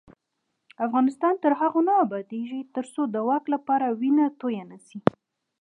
افغانستان تر هغو نه ابادیږي، ترڅو د واک لپاره وینه تویه نشي.